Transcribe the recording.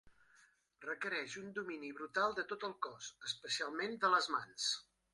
Requereix un domini brutal de tot el cos, especialment de les mans.